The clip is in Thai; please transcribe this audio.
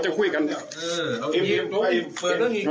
พระอยู่ที่ตะบนพนมไพรครับ